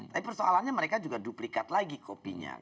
tapi persoalannya mereka juga duplikat lagi kopinya